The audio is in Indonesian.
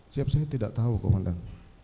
siap saya tidak tahu komandan